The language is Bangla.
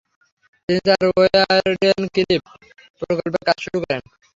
তিনি তার ওয়েরডেন ক্লিফ প্রকল্পের কাজ শুরু করেন।